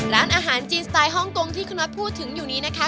ร้านอาหารจีนสไตล์ฮ่องกงที่คุณน็อตพูดถึงอยู่นี้นะคะ